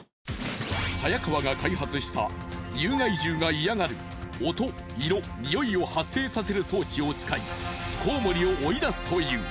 早川が開発した有害獣が嫌がる音色臭いを発生させる装置を使いコウモリを追い出すという。